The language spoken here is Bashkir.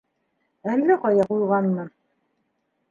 — Әллә ҡайҙа ҡуйғанмын.